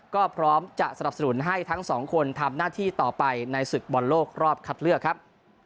ก็พร้อมจะสนับสนุนให้ทั้งสองคนทำหน้าที่ต่อไปในศึกบอลโลกรอบคัดเลือกครับ